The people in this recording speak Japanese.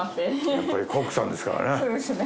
やっぱりコックさんですからね。